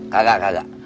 gak gak gak